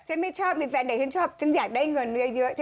ฉันไม่ชอบมีแฟนเด็กฉันอยากได้เงินเยอะ